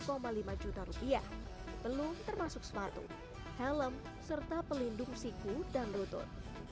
sampai satu lima juta rupiah belum termasuk sepatu helm serta pelindung siku dan rotot